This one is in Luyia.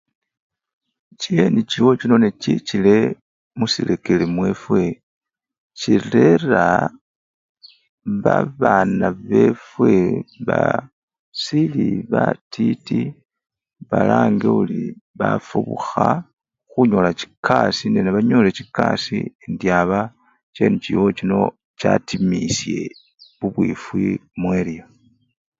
chi NGO chino nechichile musirekeri mwefwe, chilera babana befwe basili batiti balange ori bafubukha khunyola chikasii nyola banyole chikasii indiaba chi NGO chino chatimisye bubwifwi mu-ariya.